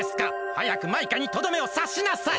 はやくマイカにとどめをさしなさい！